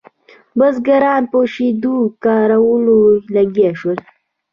بزګران په شدیدو کارونو لګیا شول.